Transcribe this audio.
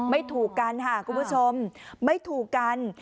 ไม่ถูกกันค่ะคุณผู้ชมไม่ถูกกัน